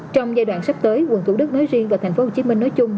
trong giai đoạn sắp tới quận thủ đức nói riêng và thành phố hồ chí minh nói chung